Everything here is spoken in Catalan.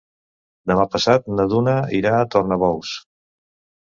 Demà passat na Duna irà a Tornabous.